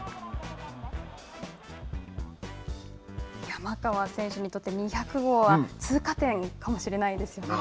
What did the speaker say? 山川選手にとって２００号は通過点かもしれないですよね。